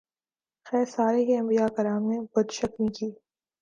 خیر سارے ہی انبیاء کرام نے بت شکنی کی ۔